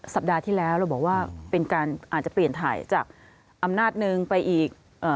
สัปดาห์ที่แล้วเราบอกว่าเป็นการอาจจะเปลี่ยนถ่ายจากอำนาจหนึ่งไปอีก